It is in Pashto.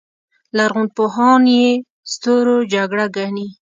لرغونپوهان یې ستورو جګړه ګڼي